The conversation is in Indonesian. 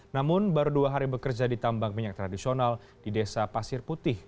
namun baru dua hari bekerja di tambang minyak tradisional di desa pasir putih